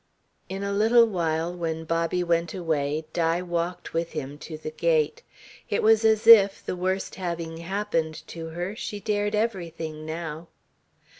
In a little while, when Bobby went away, Di walked with him to the gate. It was as if, the worst having happened to her, she dared everything now.